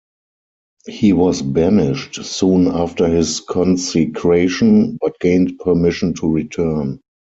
He was banished soon after his consecration, but gained permission to return.